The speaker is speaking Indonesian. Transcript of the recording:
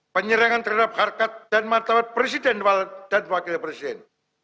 penyerangan terhadap harkat dan martabat presiden dan wakil presiden